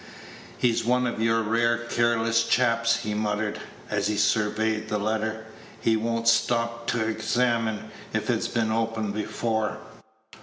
"He's one of your rare careless chaps," he muttered, as he surveyed the letter; "he won't stop t' examine if it's been opened before.